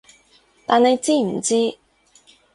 但你知唔知